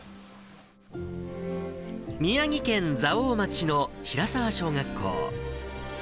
宮城県蔵王町の平沢小学校。